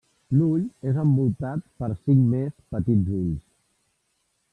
L'ull és envoltat per cinc més petits ulls.